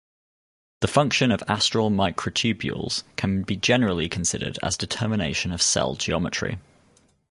The function of astral microtubules can be generally considered as determination of cell geometry.